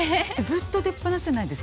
ずっと出っぱなしじゃないですか。